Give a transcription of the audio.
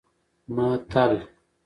متل